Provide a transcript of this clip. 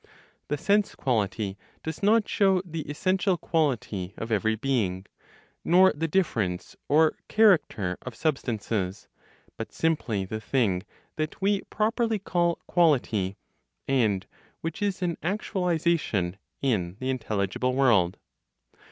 The sense quality does not show the essential quality of every being, nor the difference or character of substances, but simply the thing that we properly call quality, and which is an actualization in the intelligible world.